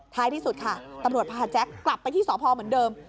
ที่สุดค่ะตำรวจพาแจ๊คกลับไปที่สพเหมือนเดิม